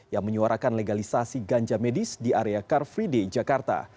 yang menyuarakan legalisasi ganja medis di area car free day jakarta